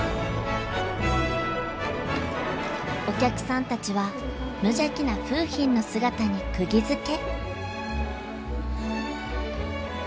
お客さんたちは無邪気な楓浜の姿にくぎづけ。